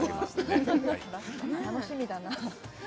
楽しみだな。